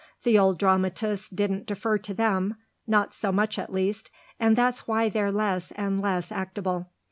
The old dramatists didn't defer to them not so much at least and that's why they're less and less actable.